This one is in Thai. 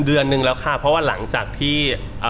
น่าจะเยอร์นหนึ่งแล้วค่ะเพราะว่าหลังจากที่